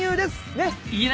ねっ？